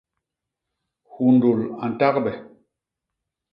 Hundul a ntagbe.